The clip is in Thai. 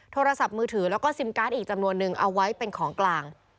โทรศัพท์มือถือแล้วก็ซิมการ์ดอีกจำนวนนึงเอาไว้เป็นของกลาง